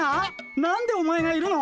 何でお前がいるの？